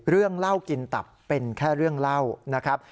เรื่องเล่ากินตับเป็นแค่เรื่องเล่านะครับ